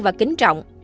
và kính trọng